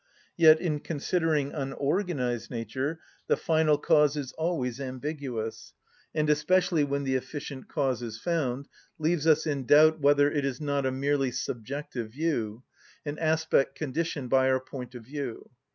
Yet in considering unorganised nature the final cause is always ambiguous, and, especially when the efficient cause is found, leaves us in doubt whether it is not a merely subjective view, an aspect conditioned by our point of view.